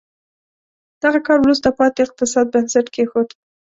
دغه کار وروسته پاتې اقتصاد بنسټ کېښود.